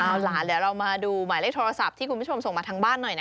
เอาล่ะเดี๋ยวเรามาดูหมายเลขโทรศัพท์ที่คุณผู้ชมส่งมาทางบ้านหน่อยนะ